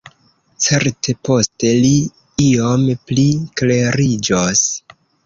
Certe poste li iom pli kleriĝos.